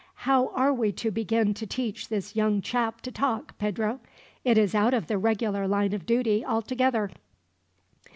"How are we to begin to teach this young chap to talk, Pedro? It is out of the regular line of duty, altogether."